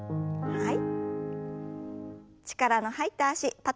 はい。